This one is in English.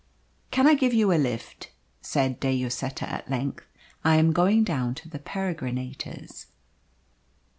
"Can I give you a lift?" said De Lloseta at length. "I am going down to the Peregrinator's."